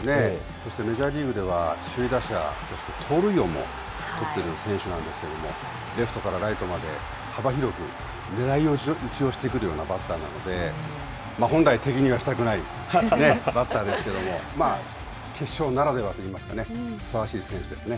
そしてメジャーリーグでは、首位打者、そして盗塁王も取っている選手なんですけれども、レフトからライトまで幅広く狙いをしてくるようなバッターなので、本来、敵にはしたくないバッターですけども、決勝ならではといいますかね、ふさわしい選手ですね。